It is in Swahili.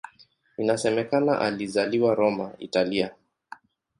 Inasemekana alizaliwa Roma, Italia.